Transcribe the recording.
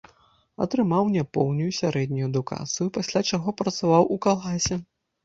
Атрымаў няпоўную сярэднюю адукацыю, пасля чаго працаваў у калгасе.